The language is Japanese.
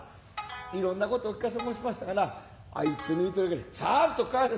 いろんな事をお聞かせ申しましたがなあいつの言うてる金はちゃんと返して。